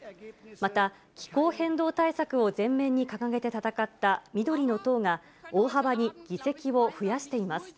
また気候変動対策を前面に掲げて戦った緑の党が大幅に議席を増やしています。